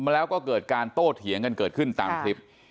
แล้วก็เกิดการโต้เถียงกันเกิดขึ้นตามคลิป